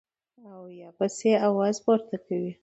او يا پسې اواز پورته کوي -